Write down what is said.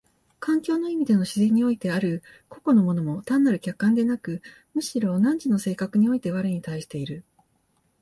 環境の意味での自然においてある個々の物も単なる客観でなく、むしろ汝の性格において我に対している。